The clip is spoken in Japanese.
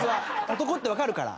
男ってわかるから。